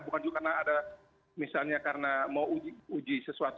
bukan juga karena ada misalnya karena mau uji sesuatu